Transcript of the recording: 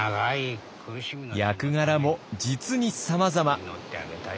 役柄も実にさまざま。